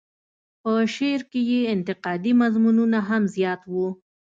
په شعر کې یې انتقادي مضمونونه هم زیات وو.